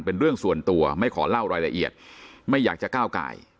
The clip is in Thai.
เป็นเรื่องส่วนตัวไม่ขอเล่ารายละเอียดไม่อยากจะก้าวกาย